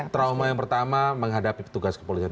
trauma yang pertama menghadapi petugas kepolisian